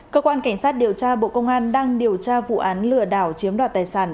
cơ quan cảnh sát điều tra bộ công an đang điều tra vụ án lừa đảo chiếm đoạt tài sản